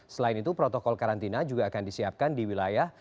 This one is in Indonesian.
selain itu protokol karantina juga akan disiapkan di wilayah